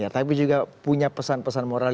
tapi juga punya pesan pesan moral